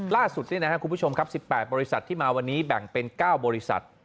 ล่าสุดคุณผู้ชมครับ๑๘บริษัทที่มาวันนี้แบ่งเป็น๙บริษัท